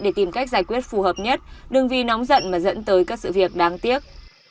để tìm cách giải quyết phù hợp nhất đừng vì nóng giận mà dẫn tới các sự việc đáng tiếc